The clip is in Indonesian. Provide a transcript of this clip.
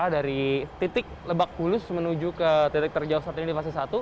dari titik lebak bulus menuju ke titik terjauh saat ini di fase satu